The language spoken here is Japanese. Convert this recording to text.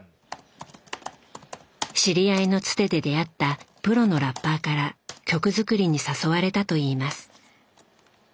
知り合いのつてで出会ったプロのラッパーから曲作りに誘われたといいます。